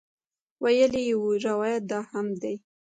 ویل یې یو روایت دا هم دی.